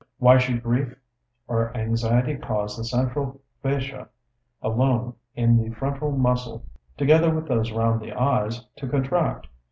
Why should grief or anxiety cause the central fasciae alone of the frontal muscle together with those round the eyes, to contract?